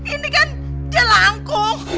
ini kan jelangkung